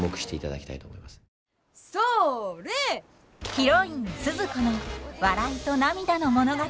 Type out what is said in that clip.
ヒロインスズ子の笑いと涙の物語。